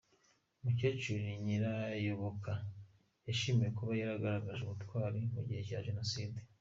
Umukecuru Nyirayoboka yashimiwe kuba yaragaragaje ubutwari mu gihe cya Jenoside.